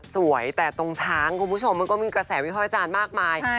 สวยแต่ตรงช้างคุณผู้ชมมันก็มีกระแสวิภาพวิจารณ์มากมาย